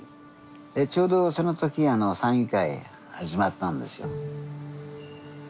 ちょうどその時山友会始まったんですよ。